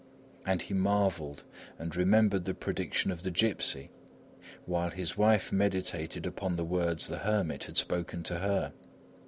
And he marvelled and remembered the prediction of the gipsy, while his wife meditated upon the words the hermit had spoken to her.